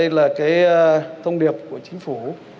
đây là cái thông điệp của chính phủ